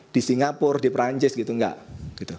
di singapura di perancis tidak